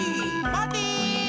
まて！